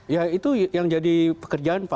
ya itu yang jadi pekerjaan pak